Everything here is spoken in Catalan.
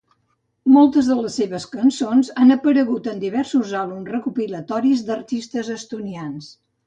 Moltes de les seves cançons també han aparegut en diversos àlbums recopilatoris d'artistes estonians.